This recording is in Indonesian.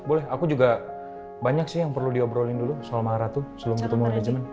boleh aku juga banyak sih yang perlu diobrolin dulu soal mang ratu sebelum ketemu manajemen